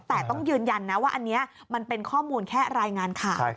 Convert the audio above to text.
แต่ต้องยืนยันนะว่าอันนี้มันเป็นข้อมูลแค่รายงานข่าว